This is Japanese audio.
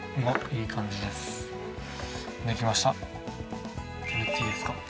いい感じです。